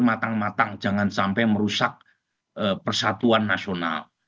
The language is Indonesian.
matang matang jangan sampai merusak persatuan nasional